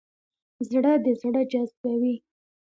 زړه د زړه جذبوي.